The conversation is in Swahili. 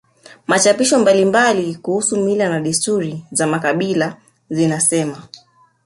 Machapisho mbalimbali kuhusu mila na desturi za makabila zinasema